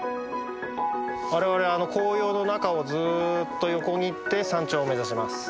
我々あの紅葉の中をずっと横切って山頂を目指します。